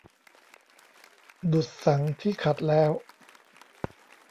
ดุจสังข์ที่ขัดแล้ว